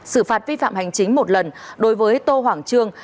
sử phạt phi phạm hành chính một lần đối với tô hoàng trương